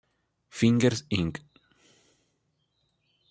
Fingers, Inc.